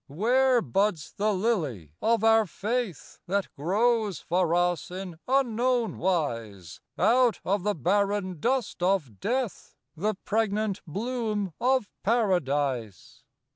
Where buds the lily of our Faith? That grows for us in unknown wise, Out of the barren dust of death, The pregnant bloom of Paradise.